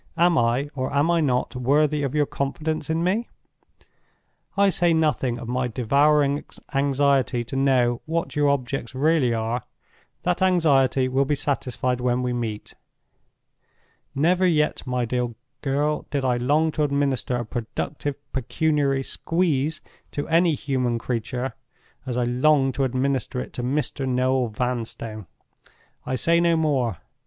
Am I, or am I not, worthy of your confidence in me? I say nothing of my devouring anxiety to know what your objects really are—that anxiety will be satisfied when we meet. Never yet, my dear girl, did I long to administer a productive pecuniary Squeeze to any human creature, as I long to administer it to Mr. Noel Vanstone. I say no more.